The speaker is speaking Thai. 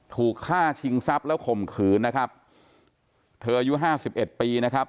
ถูกฆ่าชิงทรัพย์แล้วข่มขืนนะครับเธออายุ๕๑ปีนะครับ